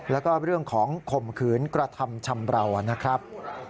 แล้วก็เรื่องของข่มขืนกระทำชำราวนะครับ